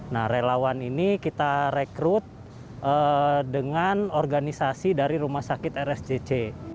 nah relawan ini kita rekrut dengan organisasi dari rumah sakit rscc